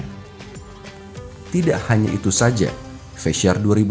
mulai dari halal food fesiar serta berbagai produk ekonomi dan keuangan syariah indonesia lainnya